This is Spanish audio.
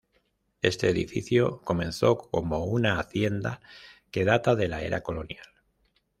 Este edificio comenzó como una hacienda que data de la era Colonial.